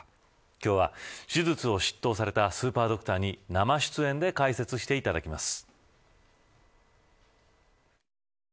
今日は手術を執刀されたスーパードクターに生出演で解説していただきます。